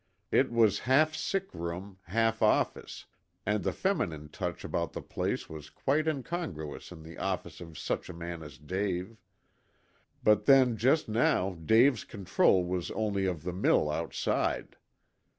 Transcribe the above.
It was half sick room, half office, and the feminine touch about the place was quite incongruous in the office of such a man as Dave. But then just now Dave's control was only of the mill outside.